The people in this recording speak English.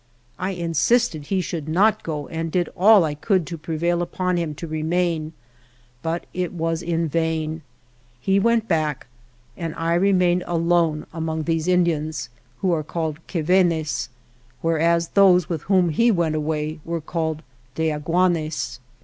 I insisted he should not go and did all I could to prevail upon him to remain, but it was in vain. He went back and I remained alone among these Indians, who are named Gnevenes, whereas those with whom he went away were called Deaguanes.